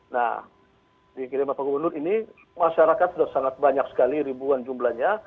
nah di kiriman pak gubernur ini masyarakat sudah sangat banyak sekali ribuan jumlahnya